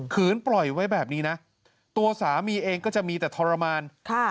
ปล่อยไว้แบบนี้นะตัวสามีเองก็จะมีแต่ทรมาน